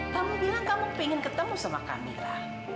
kamu bilang kamu pengen ketemu sama camilla